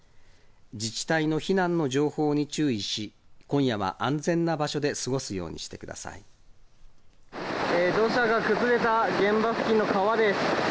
自治体の避難の情報に注意し、今夜は安全な場所で過ごすようにし土砂が崩れた、現場付近の川です。